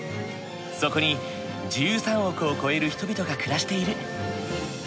そこに１３億を超える人々が暮らしている。